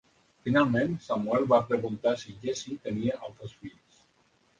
Finalment, Samuel va preguntar si Jesse tenia altres fills.